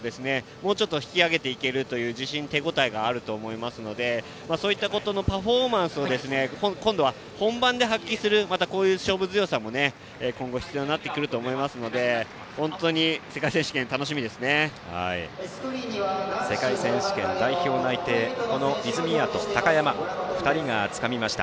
もうちょっと引き上げていける自信、手応えがあると思いますのでそういったことのパフォーマンスを今度は本番で発揮するまたこういう勝負強さも今後必要になると思いますので世界選手権代表内定泉谷と高山の２人がつかみました。